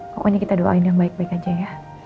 pokoknya kita doain yang baik baik aja ya